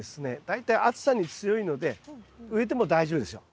大体暑さに強いので植えても大丈夫ですよ。